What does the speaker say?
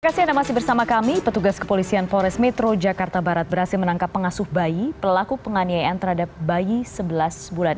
terima kasih anda masih bersama kami petugas kepolisian polres metro jakarta barat berhasil menangkap pengasuh bayi pelaku penganiayaan terhadap bayi sebelas bulan